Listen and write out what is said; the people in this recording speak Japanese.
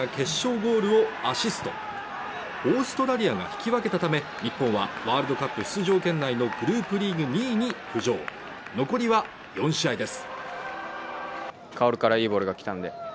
オーストラリアが引き分けたため、日本はワールドカップ出場圏内のグループリーグ２位に浮上、残りは４試合です。